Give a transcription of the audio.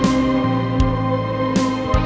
lu udah ngapain